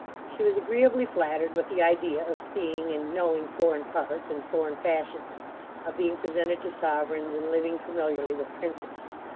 She was agreeably flattered with the idea of seeing and knowing foreign parts, and foreign fashions; of being presented to sovereigns, and living familiarly with princes.